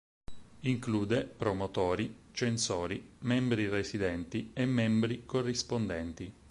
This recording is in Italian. Include promotori, censori, membri residenti e membri corrispondenti.